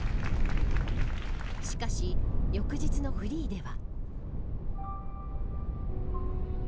しかし、翌日のフリーでは。